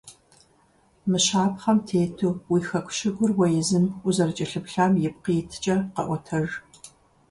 Мы щапхъэм тету уи хэку щыгур уэ езым узэрыкӀэлъыплъам ипкъ иткӀэ къэӀуэтэж.